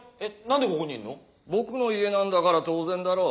僕の家なんだから当然だろう。